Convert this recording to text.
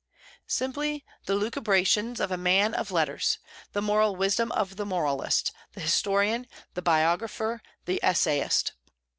Simply the lucubrations of a man of letters, the moral wisdom of the moralist, the historian, the biographer, the essayist.